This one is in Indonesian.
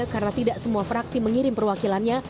karena tidak semua fraksi mengirim perwakilannya